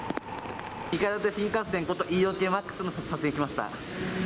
２階建て新幹線ことＥ４系Ｍａｘの撮影に来ました。